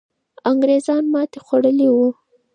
انګریزان ماتې خوړلې وو.